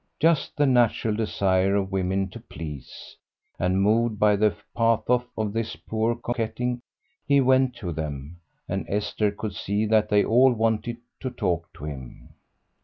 Just the natural desire of women to please, and moved by the pathos of this poor coquetting, he went to them, and Esther could see that they all wanted to talk to him.